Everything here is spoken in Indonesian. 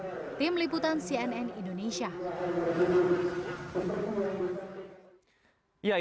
idul fitri adalah hari dimana umat islam diberikan keadaan yang baik dan berterusan dengan umat islam